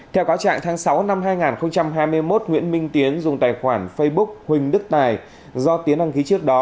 theo cáo trạng tháng sáu năm hai nghìn hai mươi một nguyễn minh tiến dùng tài khoản facebook huỳnh đức tài do tiến đăng ký trước đó